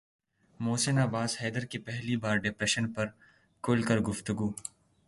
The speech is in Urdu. محسن عباس حیدر کی پہلی بار ڈپریشن پر کھل کر گفتگو